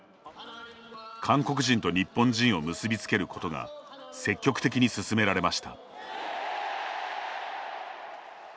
韓国人と日本人を結び付けることが積極的に進められました。